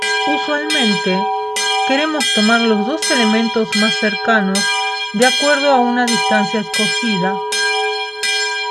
Usualmente, queremos tomar los dos elementos más cercanos, de acuerdo a una distancia escogida.